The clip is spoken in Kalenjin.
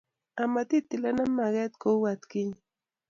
amat itilena mageet kou atkinye